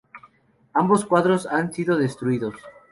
Ambos cuadros han sido destruidos.